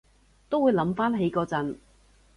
都會諗返起嗰陣